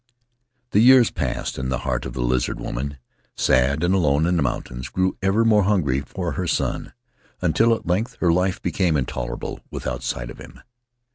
"The years passed, and the heart of the Lizard Woman — sad and alone in the mountains — grew ever more hungry for her son, until at length her life became intolerable without sight of him.